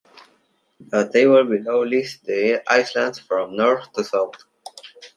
The table below lists the islands from North to South.